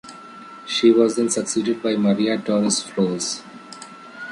She was then succeeded by Maria Torres-Flores.